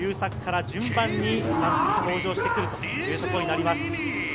１番の古性優作から順番に登場してくるということになります。